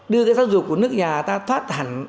đưa giáo dục của nước nhà ta thoát